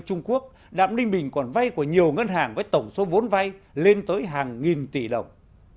trung quốc đạm ninh bình còn vay của nhiều ngân hàng với tổng số vốn vay lên tới hàng nghìn tỷ đồng